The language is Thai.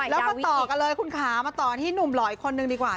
แล้วพันต่อกันเลยคุณค้าอะต่ออีกคนนึงหนูหล่อคนนึงดีกว่า